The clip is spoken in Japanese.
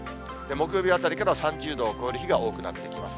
木曜日あたりから３０度を超える日が多くなっていきます。